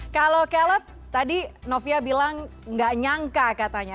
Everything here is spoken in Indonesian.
kalau caleb tadi novia bilang nggak nyangka katanya